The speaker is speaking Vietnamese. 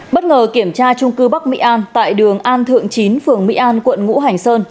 bất ngờ kiểm tra trung cư bắc mỹ an tại đường an thượng chín phường mỹ an quận ngũ hành sơn